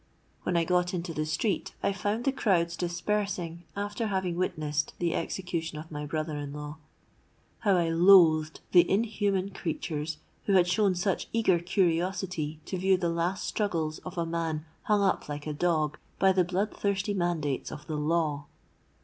When I got into the street I found the crowds dispersing after having witnessed the execution of my brother in law. How I loathed the inhuman creatures, who had shown such eager curiosity to view the last struggles of a man hung up like a dog by the blood thirsty mandates of the law!